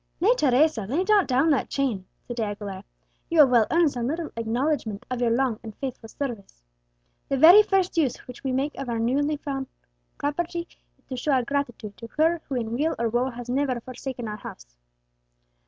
"Nay, Teresa, lay not down that chain," said De Aguilera; "you have well earned some little acknowledgment of your long and faithful service. The very first use which we make of our newly recovered property is to show our gratitude to her who in weal or woe has never forsaken our house."